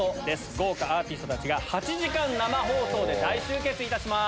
豪華アーティストたちが８時間生放送で大集結します。